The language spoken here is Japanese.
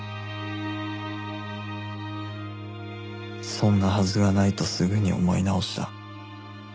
そんなはずがないとすぐに思い直した